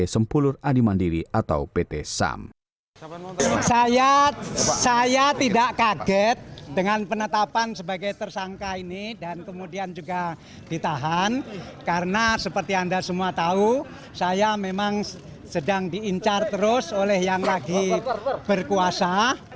saya tidak kaget dengan penetapan sebagai tersangka ini dan kemudian juga ditahan karena seperti anda semua tahu saya memang sedang diincar terus oleh yang lagi berkuasa